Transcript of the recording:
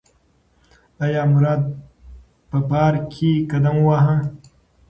ایا مراد په پار ک کې قدم وواهه؟